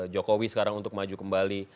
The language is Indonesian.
jokowi sekarang untuk maju kembali